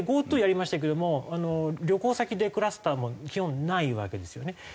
ＧｏＴｏやりましたけども旅行先でクラスターも基本ないわけですよね。